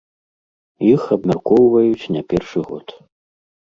Іх абмяркоўваюць не першы год.